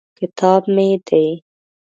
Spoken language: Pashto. کتاب مې دی.